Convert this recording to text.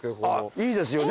いいですよね。